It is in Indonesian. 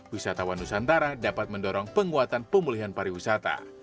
wisatawan nusantara dapat mendorong penguatan pemulihan pariwisata